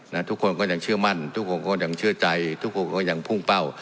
ทุกคนก็ยังเชื่อมั่นทุกคนก็ยังเชื่อใจทุกคนก็ยังพุ่งเป้า